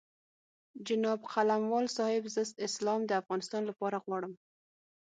جناب قلموال صاحب زه اسلام د افغانستان لپاره غواړم.